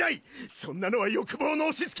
そんなのは欲望の押しつけ！